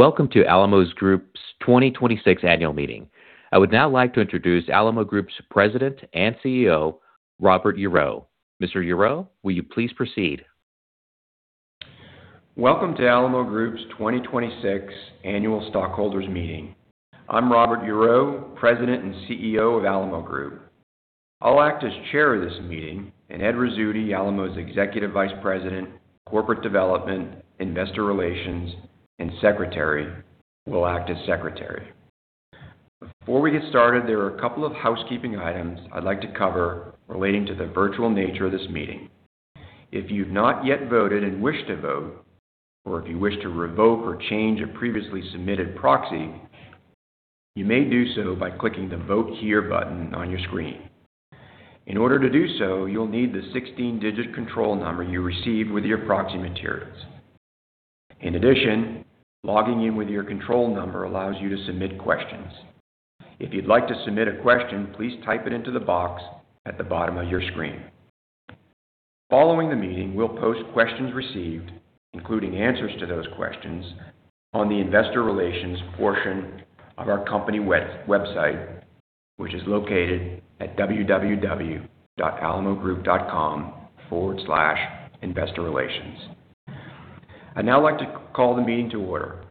Welcome to Alamo Group's 2026 annual meeting. I would now like to introduce Alamo Group's President and CEO, Robert Hureau. Mr. Hureau, will you please proceed? Welcome to Alamo Group's 2026 annual stockholders meeting. I'm Robert Hureau, President and CEO of Alamo Group. I'll act as Chair of this meeting, and Ed Rizzuti, Alamo's Executive Vice President, Corporate Development, Investor Relations, and Secretary will act as Secretary. Before we get started, there are a couple of housekeeping items I'd like to cover relating to the virtual nature of this meeting. If you've not yet voted and wish to vote, or if you wish to revoke or change a previously submitted proxy, you may do so by clicking the Vote Here button on your screen. In order to do so, you'll need the 16-digit control number you received with your proxy materials. In addition, logging in with your control number allows you to submit questions. If you'd like to submit a question, please type it into the box at the bottom of your screen. Following the meeting, we'll post questions received, including answers to those questions, on the investor relations portion of our company website, which is located at www.alamogroup.com/investorrelations. I'd now like to call the meeting to order.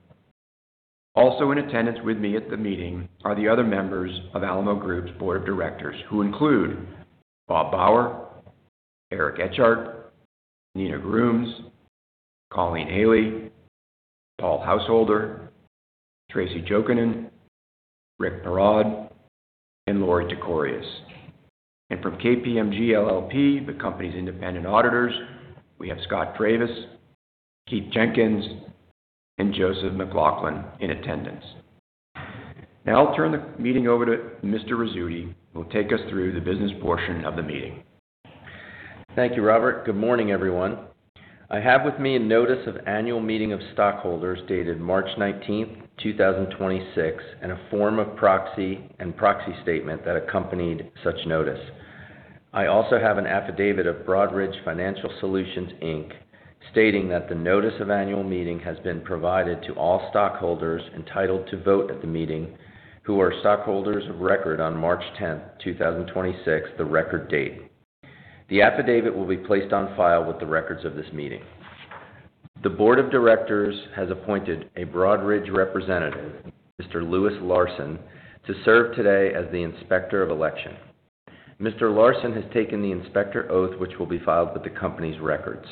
Also in attendance with me at the meeting are the other members of Alamo Group's board of directors, who include Bob Bauer, Eric Etchart, Nina Grooms, Colleen Haley, Paul Householder, Tracy Jokinen, Rick Parod, and Lorie Tekorius. From KPMG LLP, the company's independent auditors, we have Scott Travis, Keith Jenkins, and Joseph McLaughlin in attendance. I'll turn the meeting over to Mr. Rizzuti, who will take us through the business portion of the meeting. Thank you, Robert. Good morning, everyone. I have with me a notice of annual meeting of stockholders dated March 19, 2026, and a form of proxy and proxy statement that accompanied such notice. I also have an affidavit of Broadridge Financial Solutions, Inc, stating that the notice of annual meeting has been provided to all stockholders entitled to vote at the meeting who are stockholders of record on March 10, 2026, the record date. The affidavit will be placed on file with the records of this meeting. The board of directors has appointed a Broadridge representative, Mr. Louis Larsen, to serve today as the inspector of election. Mr. Larsen has taken the inspector oath, which will be filed with the company's records.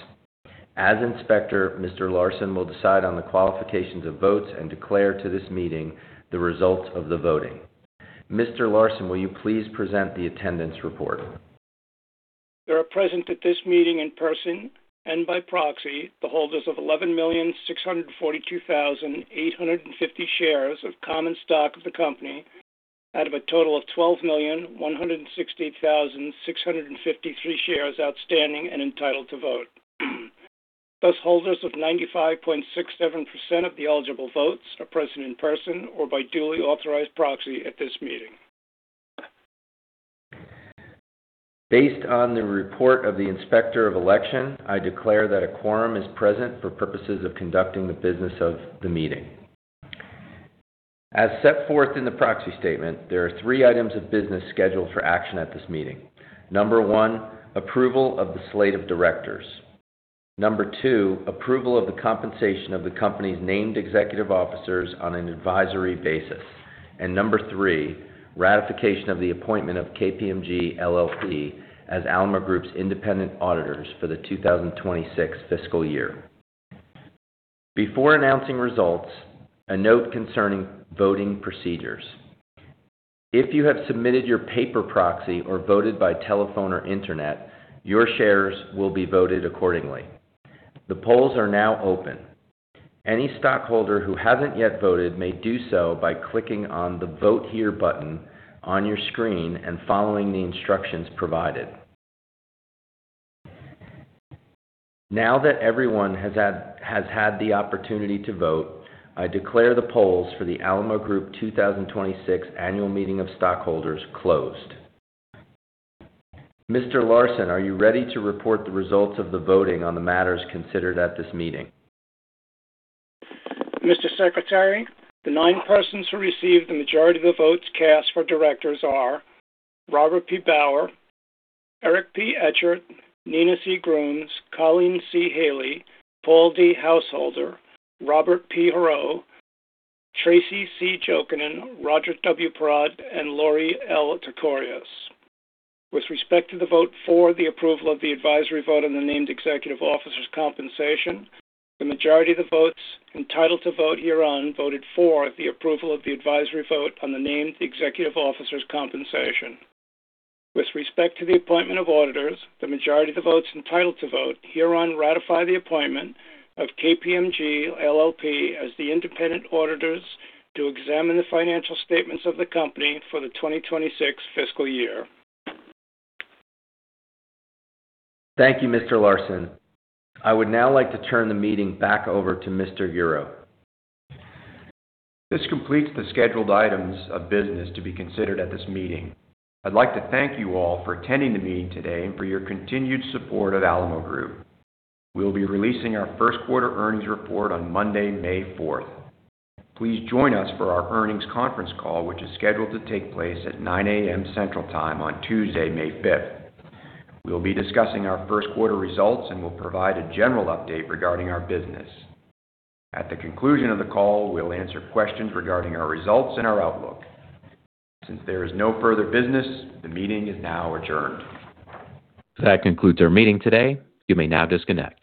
As inspector, Mr. Larsen will decide on the qualifications of votes and declare to this meeting the results of the voting. Mr. Larsen, will you please present the attendance report? There are present at this meeting in person and by proxy the holders of 11,642,850 shares of common stock of the company out of a total of 12,168,653 shares outstanding and entitled to vote. Thus, holders of 95.67% of the eligible votes are present in person or by duly authorized proxy at this meeting. Based on the report of the inspector of election, I declare that a quorum is present for purposes of conducting the business of the meeting. As set forth in the proxy statement, there are three items of business scheduled for action at this meeting. Number one, approval of the slate of directors. Number two, approval of the compensation of the company's named executive officers on an advisory basis. Number three, ratification of the appointment of KPMG LLP as Alamo Group's independent auditors for the 2026 fiscal year. Before announcing results, a note concerning voting procedures. If you have submitted your paper proxy or voted by telephone or internet, your shares will be voted accordingly. The polls are now open. Any stockholder who hasn't yet voted may do so by clicking on the Vote Here button on your screen and following the instructions provided. Now that everyone has had the opportunity to vote, I declare the polls for the Alamo Group 2026 annual meeting of stockholders closed. Mr. Larsen, are you ready to report the results of the voting on the matters considered at this meeting? Mr. Secretary, the nine persons who received the majority of the votes cast for directors are Robert P. Bauer, Eric P. Etchart, Nina C. Grooms, Colleen C. Haley, Paul D. Householder, Robert P. Hureau, Tracy C. Jokinen, Richard W. Parod, and Lorie L. Tekorius. With respect to the vote for the approval of the advisory vote on the named executive officer's compensation, the majority of the votes entitled to vote herein voted for the approval of the advisory vote on the named executive officer's compensation. With respect to the appointment of auditors, the majority of the votes entitled to vote herein ratify the appointment of KPMG LLP as the independent auditors to examine the financial statements of the company for the 2026 fiscal year. Thank you, Mr. Larsen. I would now like to turn the meeting back over to Mr. Hureau. This completes the scheduled items of business to be considered at this meeting. I'd like to thank you all for attending the meeting today and for your continued support of Alamo Group. We'll be releasing our first quarter earnings report on Monday, May 4th. Please join us for our earnings conference call, which is scheduled to take place at 9:00 A.M. Central Time on Tuesday, May 5th. We'll be discussing our first quarter results and will provide a general update regarding our business. At the conclusion of the call, we'll answer questions regarding our results and our outlook. Since there is no further business, the meeting is now adjourned. That concludes our meeting today. You may now disconnect.